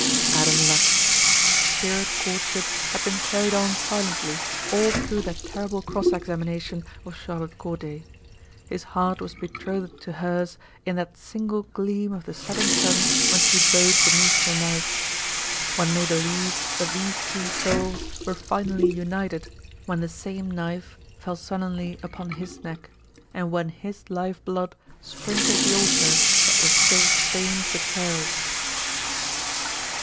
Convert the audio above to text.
Adam Lux! Spirit courtship had been carried on silently all through that terrible cross examination of Charlotte Corday. His heart was betrothed to hers in that single gleam of the setting sun when she bowed beneath the knife. One may believe that these two souls were finally united when the same knife fell sullenly upon his neck and when his life blood sprinkled the altar that was still stained with hers.